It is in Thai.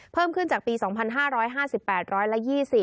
เพิ่มขึ้นจากปี๒๕๕๘ร้อยละ๒๐